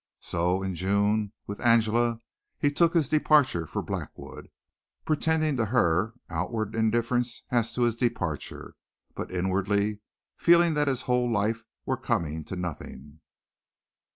So, in June, with Angela he took his departure for Blackwood, pretending, to her, outward indifference as to his departure, but inwardly feeling as though his whole life were coming to nothing.